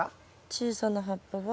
小さな葉っぱは。